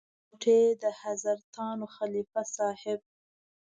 د کوټې د حضرتانو خلیفه صاحب.